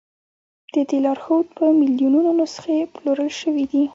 د دې لارښود په میلیونونو نسخې پلورل شوي دي.